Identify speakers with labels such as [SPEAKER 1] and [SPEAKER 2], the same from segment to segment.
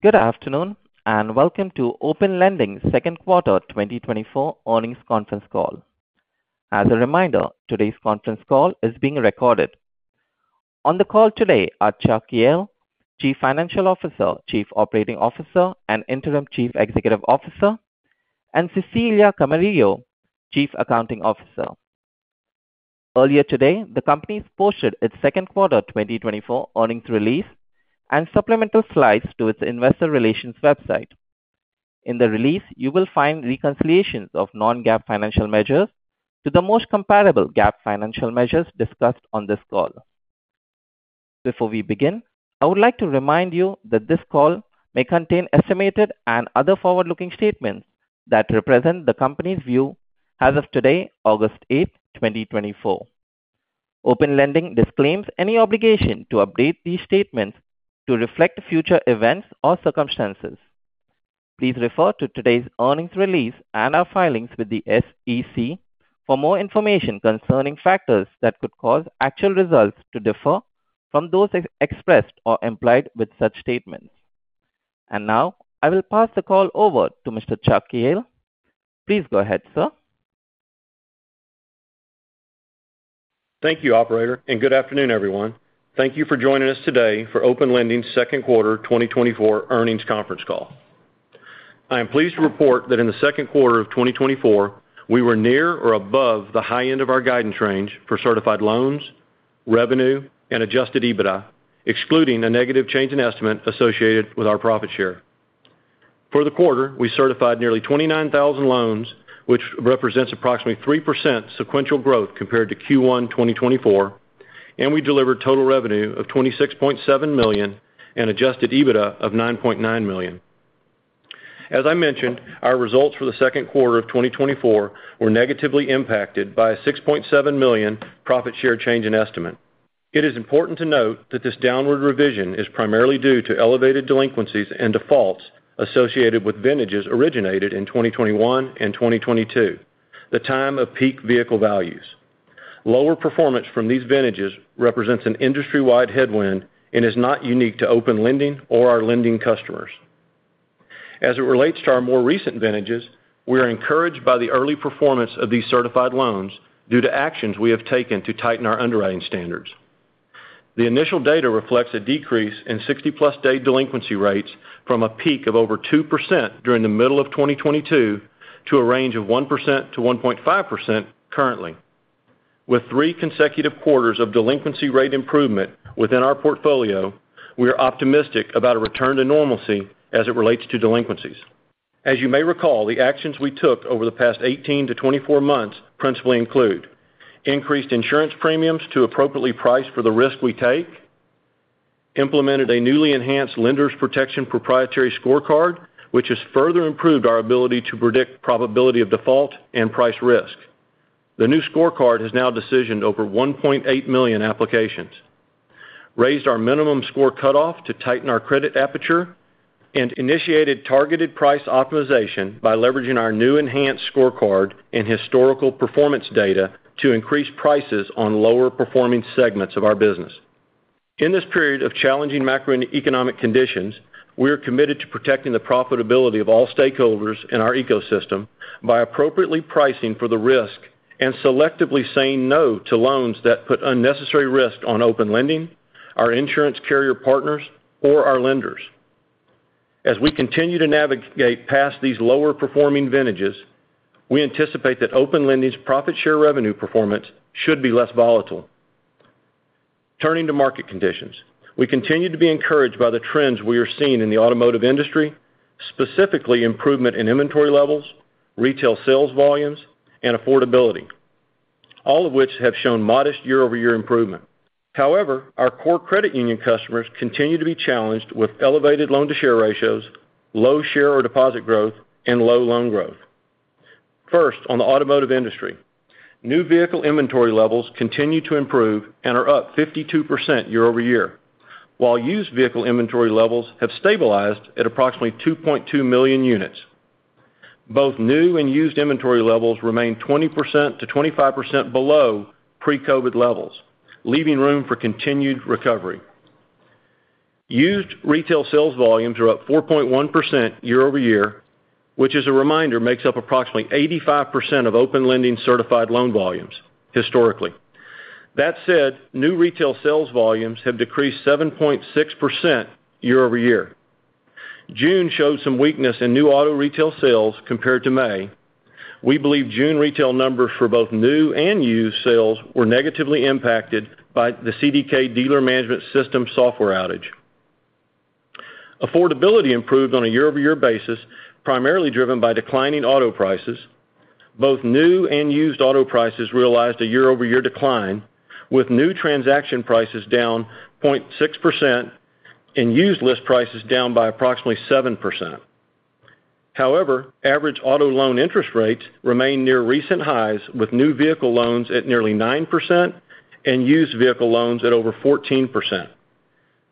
[SPEAKER 1] Good afternoon, and welcome to Open Lending Second Quarter 2024 Earnings Conference Call. As a reminder, today's conference call is being recorded. On the call today are Chuck Jehl, Chief Financial Officer, Chief Operating Officer, and Interim Chief Executive Officer, and Cecilia Camarillo, Chief Accounting Officer. Earlier today, the company posted its second quarter 2024 earnings release and supplemental slides to its investor relations website. In the release, you will find reconciliations of non-GAAP financial measures to the most comparable GAAP financial measures discussed on this call. Before we begin, I would like to remind you that this call may contain estimated and other forward-looking statements that represent the company's view as of today, August 8, 2024. Open Lending disclaims any obligation to update these statements to reflect future events or circumstances. Please refer to today's earnings release and our filings with the SEC for more information concerning factors that could cause actual results to differ from those expressed or implied with such statements. And now, I will pass the call over to Mr. Chuck Jehl. Please go ahead, sir.
[SPEAKER 2] Thank you, operator, and good afternoon, everyone. Thank you for joining us today for Open Lending Second Quarter 2024 Earnings Conference Call. I am pleased to report that in the second quarter of 2024, we were near or above the high end of our guidance range for certified loans, revenue, and Adjusted EBITDA, excluding a negative change in estimate associated with our profit share. For the quarter, we certified nearly 29,000 loans, which represents approximately 3% sequential growth compared to Q1 2024, and we delivered total revenue of $26.7 million and Adjusted EBITDA of $9.9 million. As I mentioned, our results for the second quarter of 2024 were negatively impacted by a $6.7 million profit share change in estimate. It is important to note that this downward revision is primarily due to elevated delinquencies and defaults associated with vintages originated in 2021 and 2022, the time of peak vehicle values. Lower performance from these vintages represents an industry-wide headwind and is not unique to Open Lending or our lending customers. As it relates to our more recent vintages, we are encouraged by the early performance of these certified loans due to actions we have taken to tighten our underwriting standards. The initial data reflects a decrease in 60+ day delinquency rates from a peak of over 2% during the middle of 2022 to a range of 1%-1.5% currently. With three consecutive quarters of delinquency rate improvement within our portfolio, we are optimistic about a return to normalcy as it relates to delinquencies. As you may recall, the actions we took over the past 18-24 months principally include: increased insurance premiums to appropriately price for the risk we take. Implemented a newly enhanced Lenders Protection proprietary scorecard, which has further improved our ability to predict probability of default and price risk. The new scorecard has now decisioned over 1.8 million applications. Raised our minimum score cutoff to tighten our credit aperture. And initiated targeted price optimization by leveraging our new enhanced scorecard and historical performance data to increase prices on lower performing segments of our business. In this period of challenging macroeconomic conditions, we are committed to protecting the profitability of all stakeholders in our ecosystem by appropriately pricing for the risk and selectively saying no to loans that put unnecessary risk on Open Lending, our insurance carrier partners, or our lenders. As we continue to navigate past these lower performing vintages, we anticipate that Open Lending's profit share revenue performance should be less volatile. Turning to market conditions. We continue to be encouraged by the trends we are seeing in the automotive industry, specifically improvement in inventory levels, retail sales volumes, and affordability, all of which have shown modest year-over-year improvement. However, our core credit union customers continue to be challenged with elevated loan-to-share ratios, low share or deposit growth, and low loan growth. First, on the automotive industry. New vehicle inventory levels continue to improve and are up 52% year-over-year, while used vehicle inventory levels have stabilized at approximately 2.2 million units. Both new and used inventory levels remain 20%-25% below pre-COVID levels, leaving room for continued recovery. Used retail sales volumes are up 4.1% year-over-year, which, as a reminder, makes up approximately 85% of Open Lending certified loan volumes historically. That said, new retail sales volumes have decreased 7.6% year-over-year. June showed some weakness in new auto retail sales compared to May. We believe June retail numbers for both new and used sales were negatively impacted by the CDK dealer management system software outage. Affordability improved on a year-over-year basis, primarily driven by declining auto prices. Both new and used auto prices realized a year-over-year decline, with new transaction prices down 0.6% and used list prices down by approximately 7%. However, average auto loan interest rates remain near recent highs, with new vehicle loans at nearly 9% and used vehicle loans at over 14%.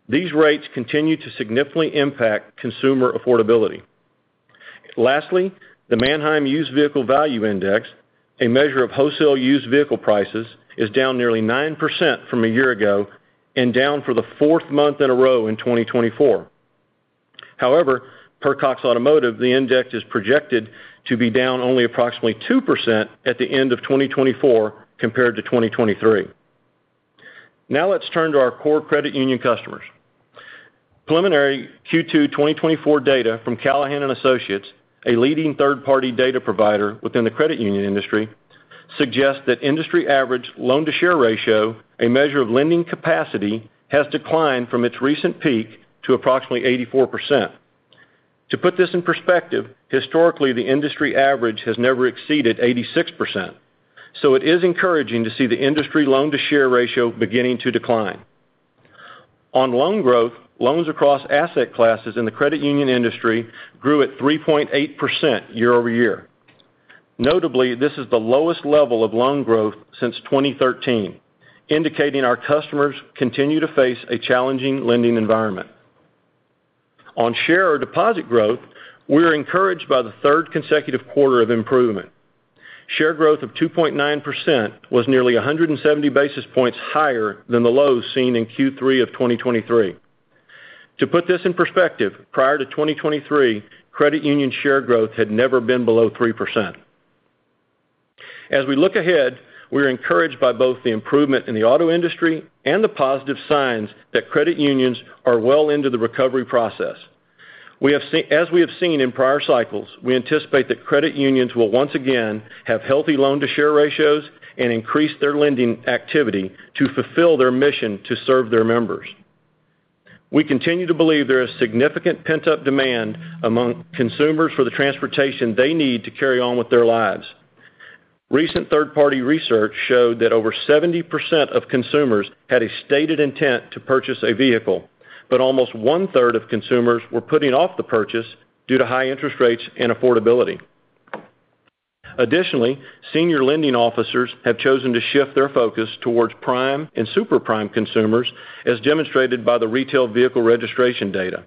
[SPEAKER 2] These rates continue to significantly impact consumer affordability. Lastly, the Manheim Used Vehicle Value Index, a measure of wholesale used vehicle prices, is down nearly 9% from a year ago and down for the fourth month in a row in 2024. However, per Cox Automotive, the index is projected to be down only approximately 2% at the end of 2024 compared to 2023. Now let's turn to our core credit union customers. Preliminary Q2 2024 data from Callahan & Associates, a leading third-party data provider within the credit union industry, suggests that industry average loan-to-share ratio, a measure of lending capacity, has declined from its recent peak to approximately 84%. To put this in perspective, historically, the industry average has never exceeded 86%, so it is encouraging to see the industry loan-to-share ratio beginning to decline. On loan growth, loans across asset classes in the credit union industry grew at 3.8% year-over-year. Notably, this is the lowest level of loan growth since 2013, indicating our customers continue to face a challenging lending environment. On share or deposit growth, we are encouraged by the third consecutive quarter of improvement. Share growth of 2.9% was nearly 170 basis points higher than the lows seen in Q3 of 2023. To put this in perspective, prior to 2023, credit union share growth had never been below 3%. As we look ahead, we are encouraged by both the improvement in the auto industry and the positive signs that credit unions are well into the recovery process. As we have seen in prior cycles, we anticipate that credit unions will once again have healthy loan-to-share ratios and increase their lending activity to fulfill their mission to serve their members. We continue to believe there is significant pent-up demand among consumers for the transportation they need to carry on with their lives. Recent third-party research showed that over 70% of consumers had a stated intent to purchase a vehicle, but almost 1/3 of consumers were putting off the purchase due to high interest rates and affordability. Additionally, senior lending officers have chosen to shift their focus towards prime and super prime consumers, as demonstrated by the retail vehicle registration data.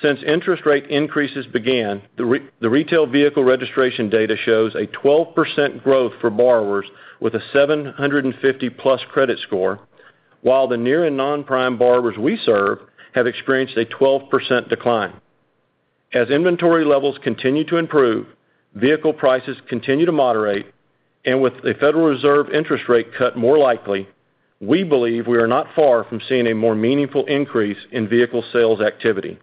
[SPEAKER 2] Since interest rate increases began, the retail vehicle registration data shows a 12% growth for borrowers with a 750+ credit score, while the near-prime and non-prime borrowers we serve have experienced a 12% decline. As inventory levels continue to improve, vehicle prices continue to moderate, and with a Federal Reserve interest rate cut more likely, we believe we are not far from seeing a more meaningful increase in vehicle sales activity.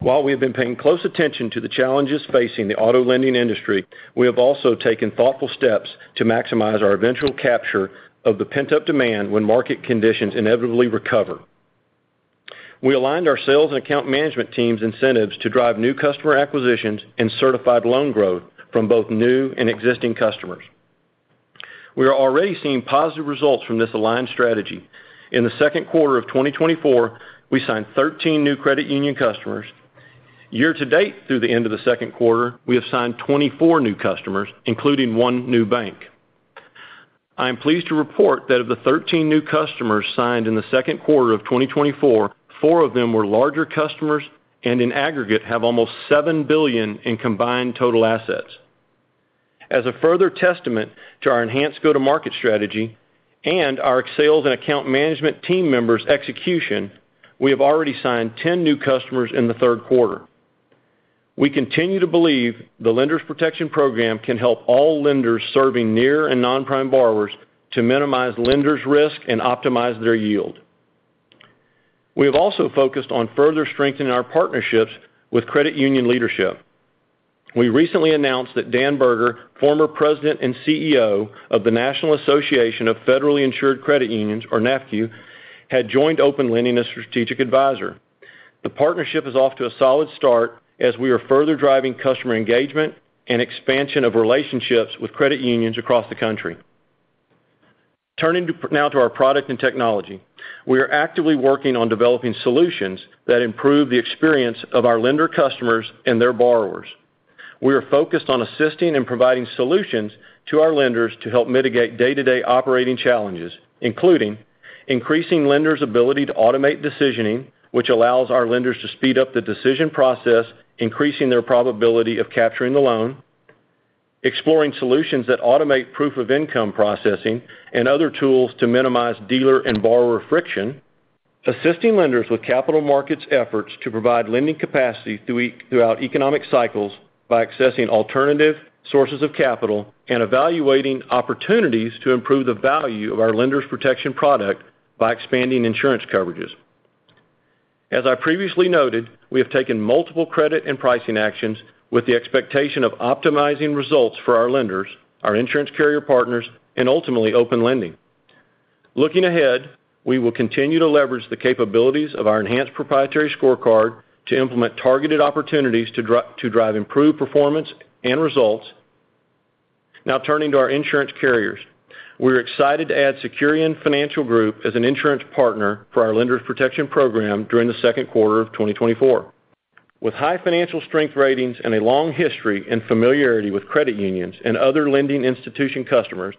[SPEAKER 2] While we have been paying close attention to the challenges facing the auto lending industry, we have also taken thoughtful steps to maximize our eventual capture of the pent-up demand when market conditions inevitably recover. We aligned our sales and account management teams' incentives to drive new customer acquisitions and certified loan growth from both new and existing customers. We are already seeing positive results from this aligned strategy. In the second quarter of 2024, we signed 13 new credit union customers. Year to date, through the end of the second quarter, we have signed 24 new customers, including one new bank. I am pleased to report that of the 13 new customers signed in the second quarter of 2024, four of them were larger customers and in aggregate, have almost $7 billion in combined total assets. As a further testament to our enhanced go-to-market strategy and our sales and account management team members' execution, we have already signed 10 new customers in the third quarter. We continue to believe the Lenders Protection program can help all lenders serving near-prime and non-prime borrowers to minimize lenders' risk and optimize their yield. We have also focused on further strengthening our partnerships with credit union leadership. We recently announced that Dan Berger, former President and CEO of the National Association of Federally Insured Credit Unions, or NAFCU, had joined Open Lending as strategic advisor. The partnership is off to a solid start as we are further driving customer engagement and expansion of relationships with credit unions across the country. Turning now to our product and technology, we are actively working on developing solutions that improve the experience of our lender customers and their borrowers. We are focused on assisting and providing solutions to our lenders to help mitigate day-to-day operating challenges, including increasing lenders' ability to automate decisioning, which allows our lenders to speed up the decision process, increasing their probability of capturing the loan, exploring solutions that automate proof-of-income processing and other tools to minimize dealer and borrower friction, assisting lenders with capital markets efforts to provide lending capacity throughout economic cycles by accessing alternative sources of capital, and evaluating opportunities to improve the value of our Lenders Protection product by expanding insurance coverages. As I previously noted, we have taken multiple credit and pricing actions with the expectation of optimizing results for our lenders, our insurance carrier partners, and ultimately, Open Lending. Looking ahead, we will continue to leverage the capabilities of our enhanced proprietary scorecard to implement targeted opportunities to drive improved performance and results. Now, turning to our insurance carriers. We're excited to add Securian Financial Group as an insurance partner for our Lenders Protection program during the second quarter of 2024. With high financial strength ratings and a long history and familiarity with credit unions and other lending institution customers,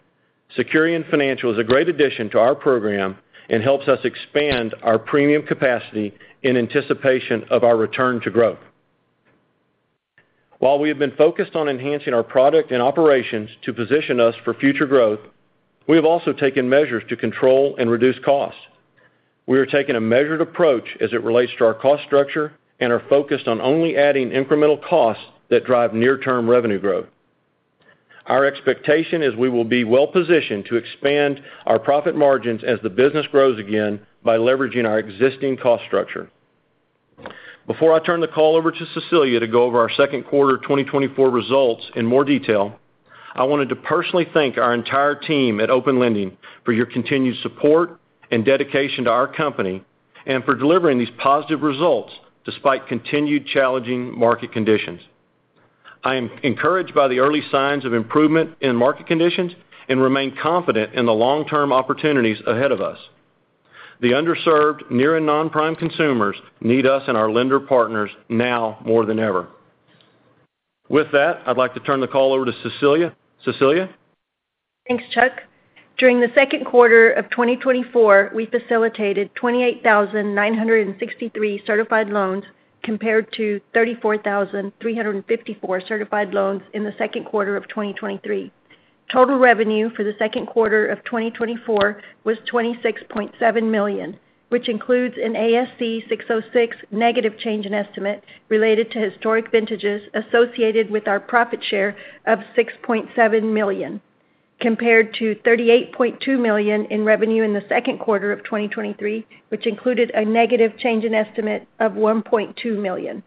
[SPEAKER 2] Securian Financial is a great addition to our program and helps us expand our premium capacity in anticipation of our return to growth. While we have been focused on enhancing our product and operations to position us for future growth, we have also taken measures to control and reduce costs. We are taking a measured approach as it relates to our cost structure and are focused on only adding incremental costs that drive near-term revenue growth. Our expectation is we will be well-positioned to expand our profit margins as the business grows again by leveraging our existing cost structure. Before I turn the call over to Cecilia to go over our second quarter 2024 results in more detail, I wanted to personally thank our entire team at Open Lending for your continued support and dedication to our company, and for delivering these positive results despite continued challenging market conditions. I am encouraged by the early signs of improvement in market conditions and remain confident in the long-term opportunities ahead of us. The underserved, near-prime and non-prime consumers need us and our lender partners now more than ever. With that, I'd like to turn the call over to Cecilia. Cecilia?
[SPEAKER 3] Thanks, Chuck. During the second quarter of 2024, we facilitated 28,963 certified loans, compared to 34,354 certified loans in the second quarter of 2023. Total revenue for the second quarter of 2024 was $26.7 million, which includes an ASC 606 negative change in estimate related to historic vintages associated with our profit share of $6.7 million, compared to $38.2 million in revenue in the second quarter of 2023, which included a negative change in estimate of $1.2 million.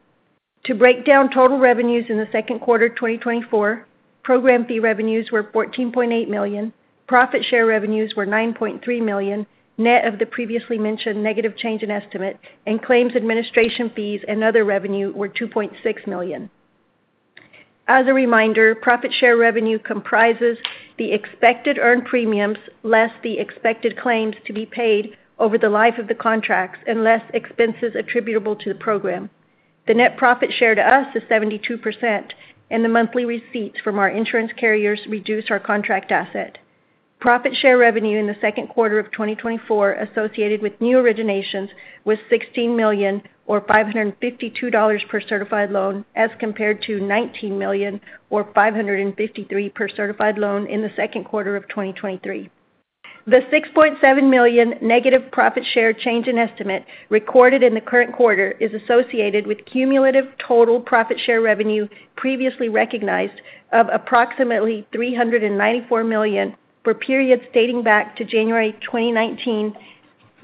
[SPEAKER 3] To break down total revenues in the second quarter of 2024, program fee revenues were $14.8 million, profit share revenues were $9.3 million, net of the previously mentioned negative change in estimate, and claims administration fees and other revenue were $2.6 million. As a reminder, profit share revenue comprises the expected earned premiums less the expected claims to be paid over the life of the contracts and less expenses attributable to the program. The net profit share to us is 72%, and the monthly receipts from our insurance carriers reduce our contract asset. Profit share revenue in the second quarter of 2024 associated with new originations was $16 million, or $552 per certified loan, as compared to $19 million, or $553 per certified loan in the second quarter of 2023. The $6.7 million negative profit share change in estimate recorded in the current quarter is associated with cumulative total profit share revenue previously recognized of approximately $394 million for periods dating back to January 2019,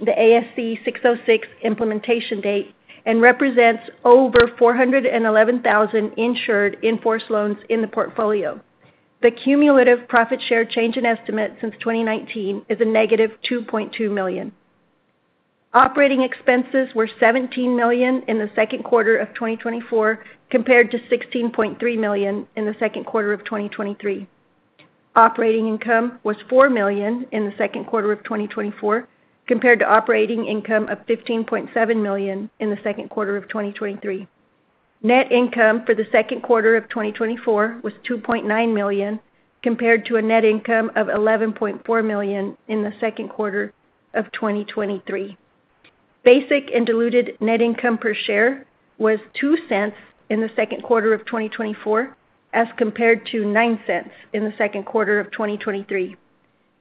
[SPEAKER 3] the ASC 606 implementation date, and represents over 411,000 insured in-force loans in the portfolio. The cumulative profit share change in estimate since 2019 is a -$2.2 million. Operating expenses were $17 million in the second quarter of 2024, compared to $16.3 million in the second quarter of 2023. Operating income was $4 million in the second quarter of 2024, compared to operating income of $15.7 million in the second quarter of 2023. Net income for the second quarter of 2024 was $2.9 million, compared to a net income of $11.4 million in the second quarter of 2023. Basic and diluted net income per share was $0.02 in the second quarter of 2024, as compared to $0.09 in the second quarter of 2023.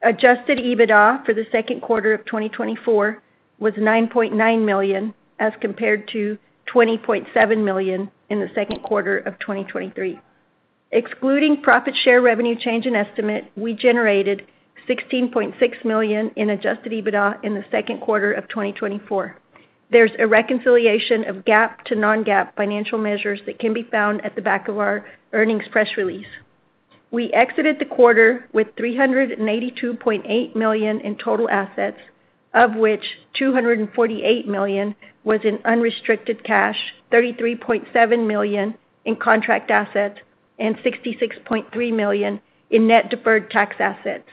[SPEAKER 3] Adjusted EBITDA for the second quarter of 2024 was $9.9 million, as compared to $20.7 million in the second quarter of 2023. Excluding profit share revenue change in estimate, we generated $16.6 million in adjusted EBITDA in the second quarter of 2024. There's a reconciliation of GAAP to non-GAAP financial measures that can be found at the back of our earnings press release. We exited the quarter with $382.8 million in total assets, of which $248 million was in unrestricted cash, $33.7 million in contract assets, and $66.3 million in net deferred tax assets.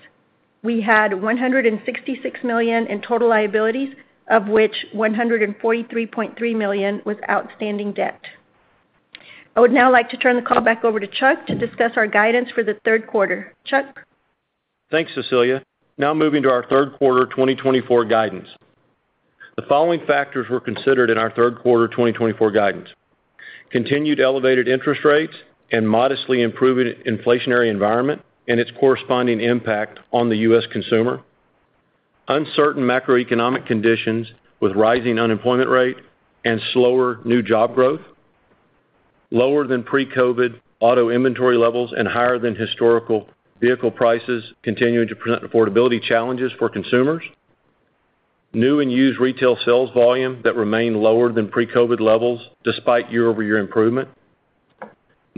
[SPEAKER 3] We had $166 million in total liabilities, of which $143.3 million was outstanding debt. I would now like to turn the call back over to Chuck to discuss our guidance for the third quarter. Chuck?
[SPEAKER 2] Thanks, Cecilia. Now moving to our third quarter 2024 guidance. The following factors were considered in our third quarter 2024 guidance: continued elevated interest rates and modestly improving inflationary environment and its corresponding impact on the U.S. consumer, uncertain macroeconomic conditions with rising unemployment rate and slower new job growth, lower than pre-COVID auto inventory levels and higher than historical vehicle prices continuing to present affordability challenges for consumers, new and used retail sales volume that remain lower than pre-COVID levels despite year-over-year improvement,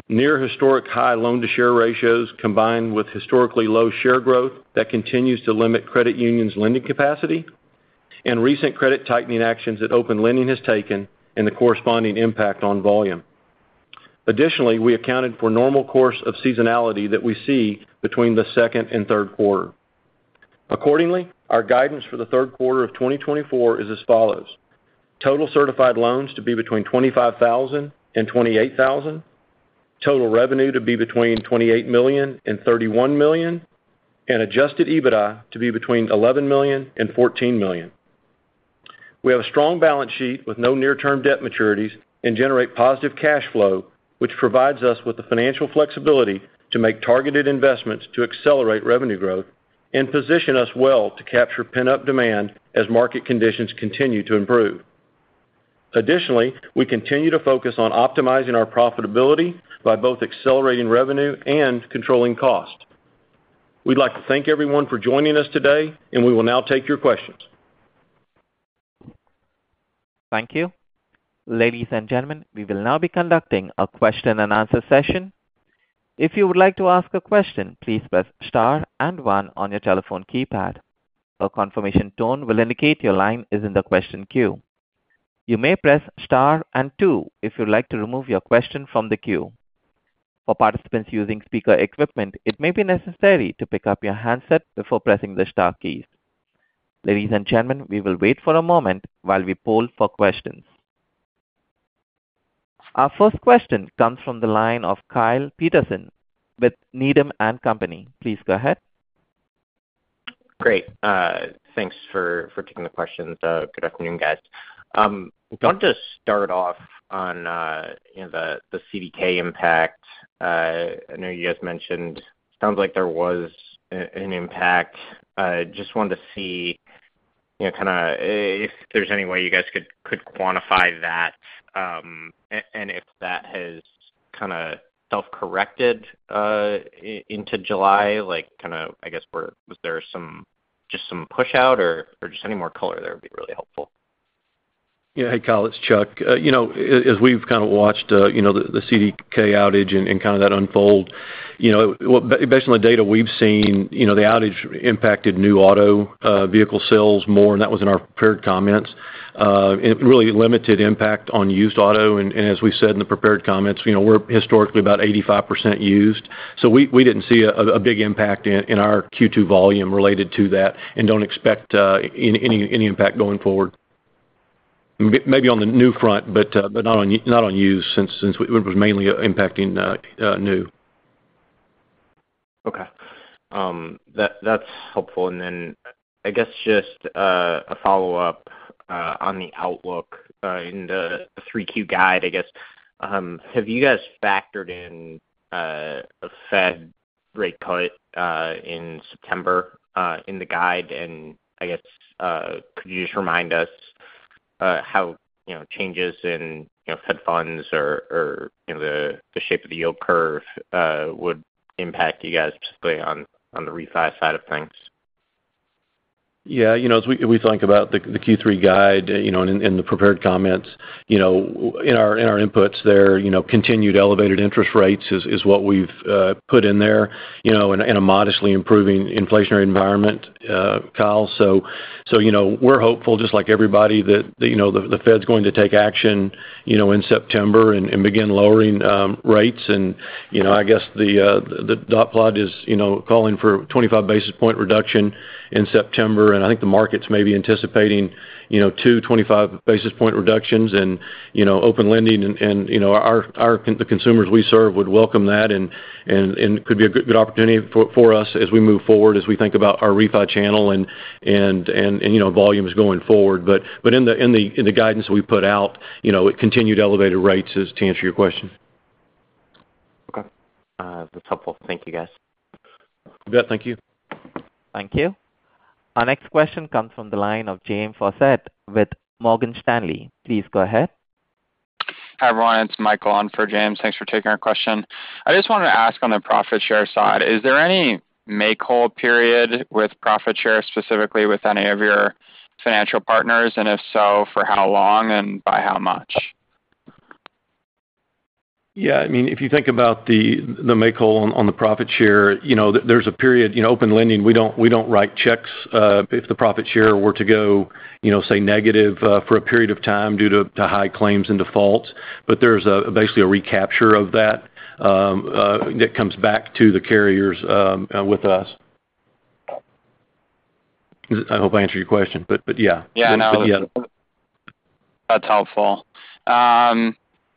[SPEAKER 2] near historic high loan-to-share ratios combined with historically low share growth that continues to limit credit unions' lending capacity, and recent credit tightening actions that Open Lending has taken and the corresponding impact on volume. Additionally, we accounted for normal course of seasonality that we see between the second and third quarter. Accordingly, our guidance for the third quarter of 2024 is as follows: total certified loans to be between 25,000 and 28,000. Total revenue to be between $28 million-$31 million, and Adjusted EBITDA to be between $11 million-$14 million. We have a strong balance sheet with no near-term debt maturities and generate positive cash flow, which provides us with the financial flexibility to make targeted investments to accelerate revenue growth and position us well to capture pent-up demand as market conditions continue to improve. Additionally, we continue to focus on optimizing our profitability by both accelerating revenue and controlling costs. We'd like to thank everyone for joining us today, and we will now take your questions.
[SPEAKER 1] Thank you. Ladies and gentlemen, we will now be conducting a question-and-answer session. If you would like to ask a question, please press star and one on your telephone keypad. A confirmation tone will indicate your line is in the question queue. You may press star and two if you'd like to remove your question from the queue. For participants using speaker equipment, it may be necessary to pick up your handset before pressing the star key. Ladies and gentlemen, we will wait for a moment while we poll for questions. Our first question comes from the line of Kyle Peterson with Needham & Company. Please go ahead.
[SPEAKER 4] Great. Thanks for taking the questions. Good afternoon, guys. Want to start off on, you know, the CDK impact. I know you guys mentioned, sounds like there was an impact. I just wanted to see, you know, kind of, if there's any way you guys could quantify that, and if that has kind of self-corrected into July, like, kind of, I guess, where was there some pushout or just any more color there would be really helpful.
[SPEAKER 2] Yeah. Hey, Kyle, it's Chuck. You know, as we've kind of watched, you know, the CDK outage and kind of that unfold, you know, well, based on the data we've seen, you know, the outage impacted new auto vehicle sales more, and that was in our prepared comments. And it really limited impact on used auto, and as we said in the prepared comments, you know, we're historically about 85% used. So we didn't see a big impact in our Q2 volume related to that and don't expect any impact going forward. Maybe on the new front, but not on used, since it was mainly impacting new.
[SPEAKER 4] Okay. That, that's helpful. And then I guess just a follow-up on the outlook in the 3Q guide, I guess. Have you guys factored in a Fed rate cut in September in the guide? And I guess could you just remind us how, you know, changes in, you know, Fed funds or, or, you know, the, the shape of the yield curve would impact you guys, particularly on the refi side of things?
[SPEAKER 2] Yeah, you know, as we think about the Q3 guide, you know, and the prepared comments, you know, in our inputs there, you know, continued elevated interest rates is what we've put in there, you know, in a modestly improving inflationary environment, Kyle. So, you know, we're hopeful, just like everybody, that you know, the Fed's going to take action, you know, in September and begin lowering rates. You know, I guess the dot plot is calling for 25 basis point reduction in September, and I think the markets may be anticipating two 25 basis point reductions, and you know, Open Lending and our the consumers we serve would welcome that and it could be a good opportunity for us as we move forward, as we think about our refi channel and volumes going forward. But in the guidance we put out, you know, it continued elevated rates is to answer your question.
[SPEAKER 4] Okay. That's helpful. Thank you, guys.
[SPEAKER 2] You bet. Thank you.
[SPEAKER 1] Thank you. Our next question comes from the line of James Faucette with Morgan Stanley. Please go ahead.
[SPEAKER 5] Hi, everyone, it's Michael on for James. Thanks for taking our question. I just wanted to ask on the profit share side, is there any make-whole period with profit share, specifically with any of your financial partners? And if so, for how long and by how much?
[SPEAKER 2] Yeah, I mean, if you think about the make whole on the profit share, you know, there's a period. In Open Lending, we don't write checks if the profit share were to go, you know, say, negative for a period of time due to high claims and defaults, but there's basically a recapture of that that comes back to the carriers with us. I hope I answered your question, but yeah.
[SPEAKER 5] Yeah, no.
[SPEAKER 2] Yeah.
[SPEAKER 5] That's helpful.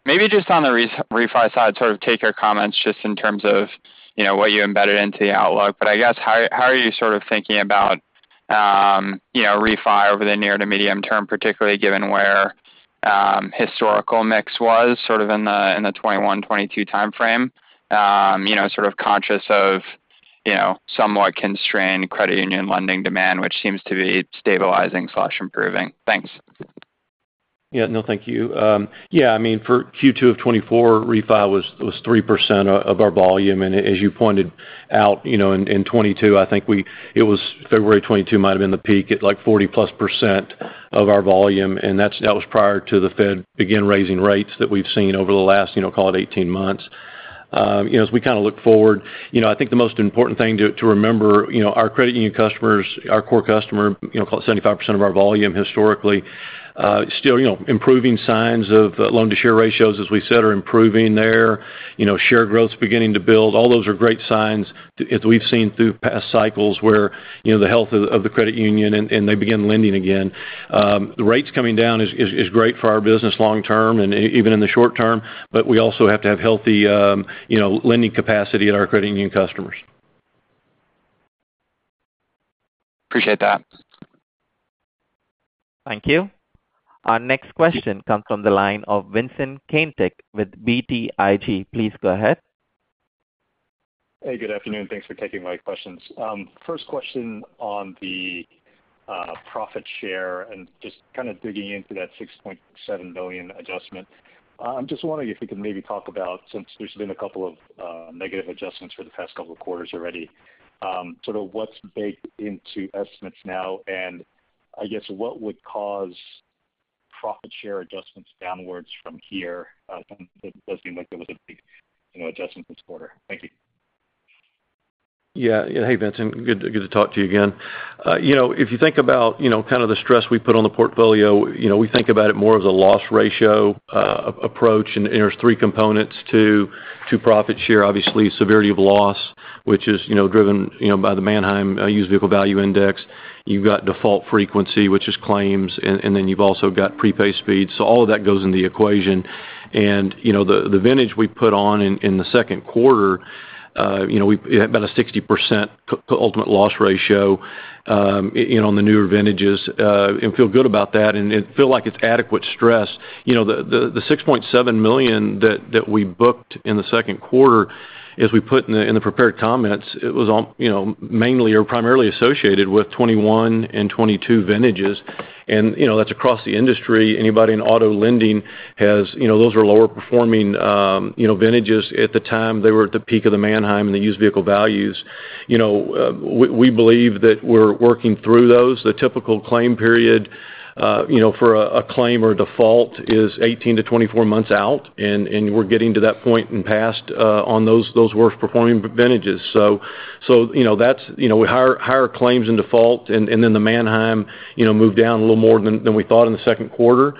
[SPEAKER 5] Maybe just on the refi side, sort of take your comments just in terms of, you know, what you embedded into the outlook. But I guess, how are you sort of thinking about, you know, refi over the near to medium term, particularly given where historical mix was sort of in the, in the 2021, 2022 timeframe? You know, sort of conscious of, you know, somewhat constrained credit union lending demand, which seems to be stabilizing/improving. Thanks.
[SPEAKER 2] Yeah. No, thank you. Yeah, I mean, for Q2 of 2024, refi was 3% of our volume. And as you pointed out, you know, in 2022, I think it was February 2022 might have been the peak at, like, 40+% of our volume, and that was prior to the Fed begin raising rates that we've seen over the last, you know, call it 18 months. You know, as we kind of look forward, you know, I think the most important thing to remember, you know, our credit union customers, our core customer, you know, call it 75% of our volume historically, still, you know, improving signs of loan-to-share ratios, as we said, are improving there. You know, share growth is beginning to build. All those are great signs as we've seen through past cycles where, you know, the health of the credit union and they begin lending again. The rates coming down is great for our business long term and even in the short term, but we also have to have healthy, you know, lending capacity at our credit union customers.
[SPEAKER 5] Appreciate that.
[SPEAKER 1] Thank you. Our next question comes from the line of Vincent Caintic with BTIG. Please go ahead.
[SPEAKER 6] Hey, good afternoon. Thanks for taking my questions. First question on the profit share and just kind of digging into that $6.7 billion adjustment. I'm just wondering if you could maybe talk about, since there's been a couple of negative adjustments for the past couple of quarters already, sort of what's baked into estimates now, and I guess what would cause profit share adjustments downwards from here? It does seem like there was a big, you know, adjustment this quarter. Thank you.
[SPEAKER 2] Yeah. Hey, Vincent. Good, good to talk to you again. You know, if you think about, you know, kind of the stress we put on the portfolio, you know, we think about it more as a loss ratio approach, and there's three components to profit share. Obviously, severity of loss, which is, you know, driven, you know, by the Manheim Used Vehicle Value Index. You've got default frequency, which is claims, and then you've also got prepay speed. So all of that goes in the equation. And, you know, the vintage we put on in the second quarter, you know, we had about a 60% ultimate loss ratio on the newer vintages, and feel good about that, and it feel like it's adequate stress. You know, the $6.7 million that we booked in the second quarter, as we put in the prepared comments, it was mainly or primarily associated with 2021 and 2022 vintages. You know, that's across the industry. Anybody in auto lending has. You know, those are lower performing vintages. At the time, they were at the peak of the Manheim in the used vehicle values. You know, we believe that we're working through those. The typical claim period, you know, for a claim or default is 18-24 months out, and we're getting to that point and past on those worse-performing vintages. So, you know, that's, you know, higher claims and default, and then the Manheim, you know, moved down a little more than we thought in the second quarter.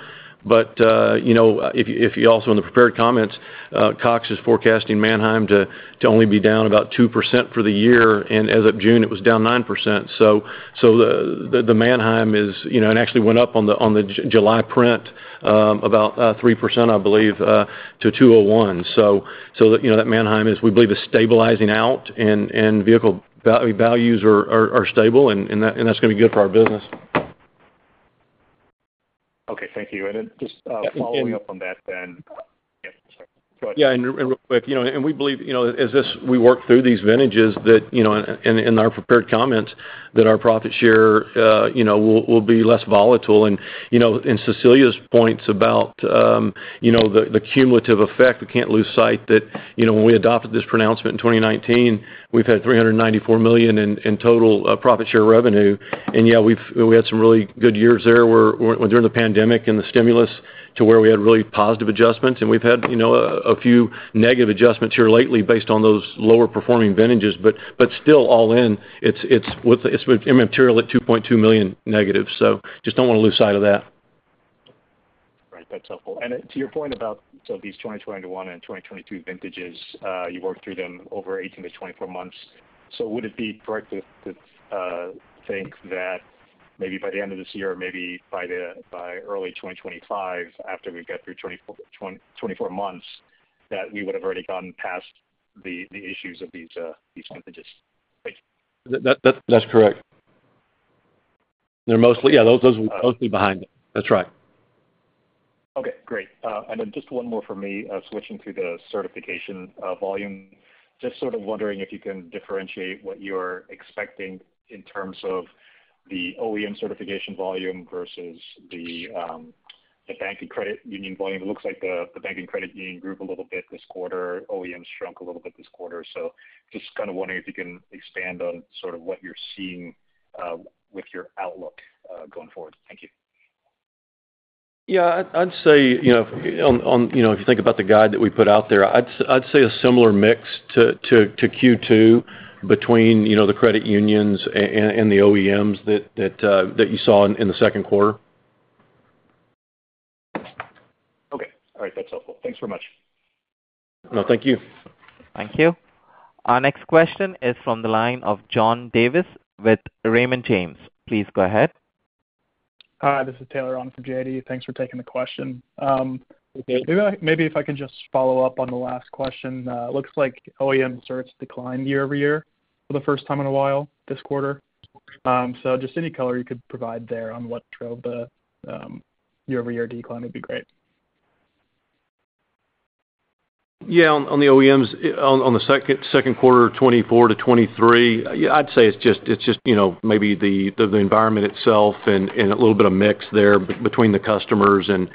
[SPEAKER 2] But, you know, if you also in the prepared comments, Cox is forecasting Manheim to only be down about 2% for the year, and as of June, it was down 9%. So the Manheim is, you know, and actually went up on the July print, about 3%, I believe, to 201. So, you know, that Manheim is, we believe, stabilizing out and vehicle values are stable, and that's gonna be good for our business.
[SPEAKER 6] Okay, thank you. And then just, following up on that then... Yes, sorry. Go ahead.
[SPEAKER 2] Yeah, and real quick, you know, we believe, you know, as we work through these vintages that, you know, in our prepared comments, that our profit share, you know, will be less volatile. And, you know, Cecilia's points about, you know, the cumulative effect, we can't lose sight that, you know, when we adopted this pronouncement in 2019, we've had $394 million in total profit share revenue. And yeah, we had some really good years there, where during the pandemic and the stimulus to where we had really positive adjustments, and we've had, you know, a few negative adjustments here lately based on those lower performing vintages. But still all in, it's immaterial at -$2.2 million, so just don't want to lose sight of that.
[SPEAKER 6] Right. That's helpful. And to your point about, so these 2021 and 2022 vintages, you worked through them over 18-24 months. So would it be correct to think that maybe by the end of this year, maybe by early 2025, after we get through 24 months, that we would have already gotten past the issues of these vintages? Thank you.
[SPEAKER 2] That's correct. They're mostly... Yeah, those are mostly behind it. That's right.
[SPEAKER 6] Okay, great. And then just one more for me, switching to the certification volume. Just sort of wondering if you can differentiate what you're expecting in terms of the OEM certification volume versus the, the bank and credit union volume. It looks like the, the bank and credit union grew a little bit this quarter. OEM shrunk a little bit this quarter. So just kind of wondering if you can expand on sort of what you're seeing, with your outlook going forward. Thank you.
[SPEAKER 2] Yeah, I'd say, you know, on, you know, if you think about the guide that we put out there, I'd say a similar mix to Q2 between, you know, the credit unions and the OEMs that you saw in the second quarter.
[SPEAKER 6] Okay. All right. That's helpful. Thanks very much.
[SPEAKER 2] No, thank you.
[SPEAKER 1] Thank you. Our next question is from the line of John Davis with Raymond James. Please go ahead.
[SPEAKER 7] Hi, this is Taylor [Onan] for JD. Thanks for taking the question. Maybe if I can just follow up on the last question. It looks like OEM certs declined year-over-year for the first time in a while this quarter. So just any color you could provide there on what drove the year-over-year decline would be great.
[SPEAKER 2] Yeah, on the OEMs, on the second quarter of 2024-2023, yeah, I'd say it's just, it's just, you know, maybe the environment itself and a little bit of mix there between the customers and...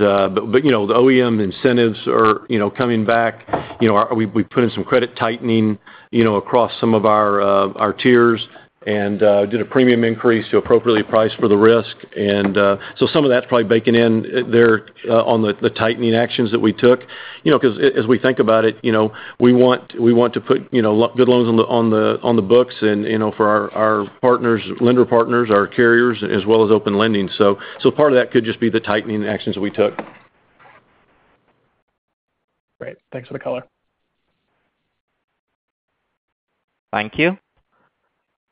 [SPEAKER 2] But, you know, the OEM incentives are, you know, coming back. You know, we put in some credit tightening, you know, across some of our tiers and did a premium increase to appropriately price for the risk. And so some of that's probably baking in there on the tightening actions that we took. You know, 'cause as we think about it, you know, we want to put, you know, good loans on the books and, you know, for our lender partners, our carriers, as well as Open Lending. So part of that could just be the tightening actions we took.
[SPEAKER 7] Great. Thanks for the color.
[SPEAKER 1] Thank you.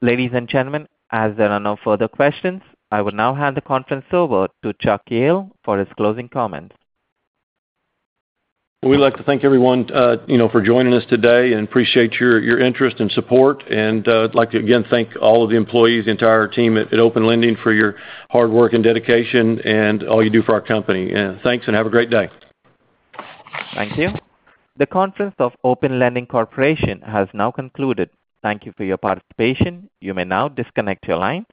[SPEAKER 1] Ladies and gentlemen, as there are no further questions, I will now hand the conference over to Chuck Jehl for his closing comments.
[SPEAKER 2] We'd like to thank everyone, you know, for joining us today and appreciate your interest and support. I'd like to again thank all of the employees, the entire team at Open Lending, for your hard work and dedication and all you do for our company. Thanks and have a great day.
[SPEAKER 1] Thank you. The conference of Open Lending Corporation has now concluded. Thank you for your participation. You may now disconnect your line.